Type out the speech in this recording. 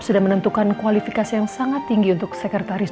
sudah menentukan kualifikasi yang sangat tinggi untuk sekretaris